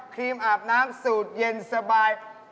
ครีมอาบน้ำสูตรเย็นสบาย